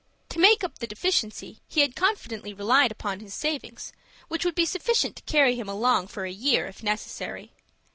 To make up the deficiency he had confidently relied upon his savings, which would be sufficient to carry him along for a year, if necessary.